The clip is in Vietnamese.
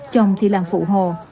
chồng thì là phụ hồ